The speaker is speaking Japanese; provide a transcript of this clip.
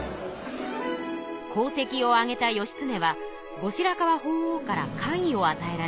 功績をあげた義経は後白河法皇から官位をあたえられました。